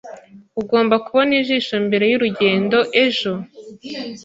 Ugomba kubona ijisho mbere yurugendo ejo.